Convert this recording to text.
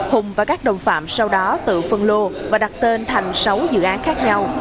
hùng và các đồng phạm sau đó tự phân lô và đặt tên thành sáu dự án khác nhau